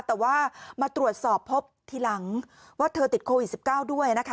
แต่ว่ามาตรวจสอบพบทีหลังว่าเธอติดโควิด๑๙ด้วยนะคะ